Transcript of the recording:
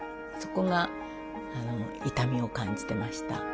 そこが痛みを感じてました。